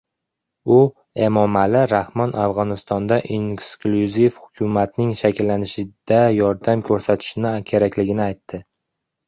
U Emomali Rahmon Afg‘onistonda inklyuziv hukumatning shakllanishida yordam ko‘rsatishi kerakligini aytgan